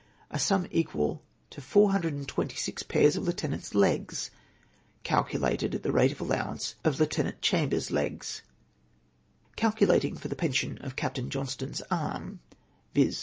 a sum equal to 426 jjaii's of lieu tenants^ legs, ccdculated at the rate of allowance of Lieutenant Chambers's legs. Calculating for the 'pension of Captain Johnstone's arm,, viz.